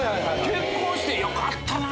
結婚してよかったな。